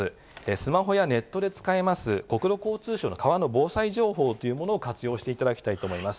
スマホやネットで使えます、国土交通省の川の防災情報というものを活用していただきたいと思います。